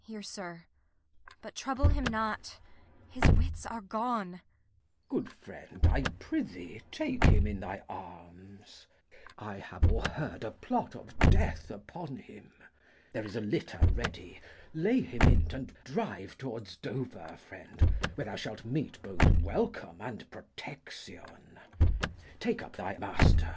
Here, sir; but trouble him not; his wits are gone. Glou. Good friend, I prithee take him in thy arms. I have o'erheard a plot of death upon him. There is a litter ready; lay him in't And drive towards Dover, friend, where thou shalt meet Both welcome and protection. Take up thy master.